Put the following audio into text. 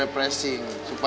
aku orang tua